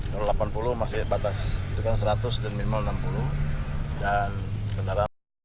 kalau delapan puluh masih batas itu kan seratus dan minimal enam puluh dan kendaraan